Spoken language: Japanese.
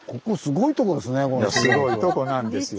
すごいとこなんですよ。